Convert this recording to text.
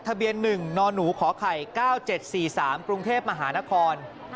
ทะเบียน๑นหนูขอไข่๙๗๔๓กรุงเทพมหานคร